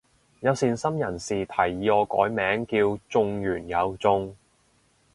有善心人士提議我改名叫中完又中